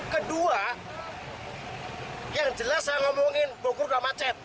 kedua yang jelas saya ngomongin bogor udah macet